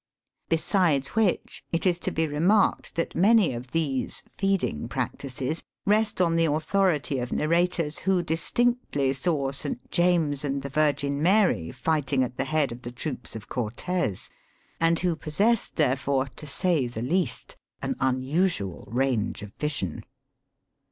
Besides which, it is to be remarked, that many of these feeding practices rest on the authority of narrators who distinctly saw St. James and the Virgin Mary fighting at the head of the troops of Cortes, and who possessed, therefore, to say the least, an unusual range of vision.